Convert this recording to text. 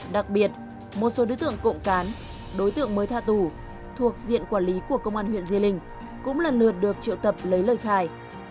đặc biệt một số đối tượng cộng cán đối tượng mới tha tù thuộc diện quản lý của công an huyện diên linh cũng lần lượt được triệu tập lấy lời khai